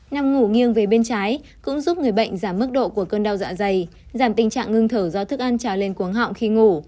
năm ngủ nghiêng về bên trái cũng giúp người bệnh giảm mức độ của cơn đau dạ dày giảm tình trạng ngưng thở do thức ăn trào lên cuống họng khi ngủ